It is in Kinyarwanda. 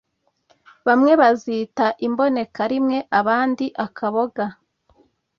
Bamwe bazita imboneka rimwe abandi akaboga